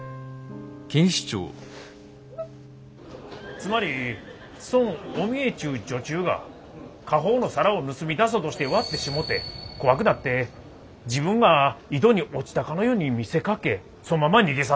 つまりそんお三枝っちゅう女中が家宝の皿を盗み出そうとして割ってしもうて怖くなって自分が井戸に落ちたかのように見せかけそんまま逃げ去ったと。